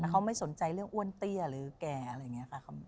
เขาไม่สนใจเรื่องอ้วนเตี้ยหรือแก่อะไรอย่างนี้ค่ะ